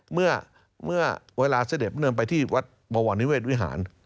เมื่อเวลาเสด็จพระเนินไปที่วัดบวรนิเวศวิหาร